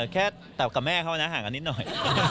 แค่ตับกับแม่เขานะห่างกันนิดหน่อย